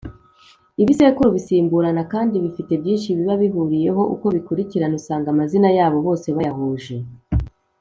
ibisekuru bisimburana kandi bifite byinshi biba bihuriyeho uko bikurikirana usanga amazina yabo bose bayahuje.